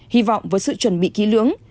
hy vọng với sự chuẩn bị ký lưỡng